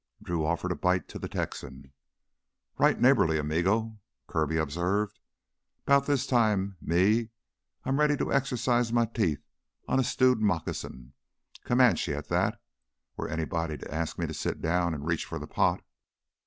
Drew offered a bite to the Texan. "Right neighborly, amigo," Kirby observed. "'Bout this time, me, I'm ready to exercise m' teeth on a stewed moccasin, Comanche at that, were anybody to ask me to sit down an' reach for the pot."